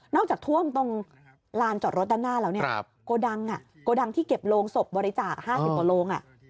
นอกจากท่วมตรงลานจอดรถด้านหน้าแล้วเนี่ยครับกดังอ่ะกดังที่เก็บโรงศพบริจาคห้าสิบต่อโรงอ่ะ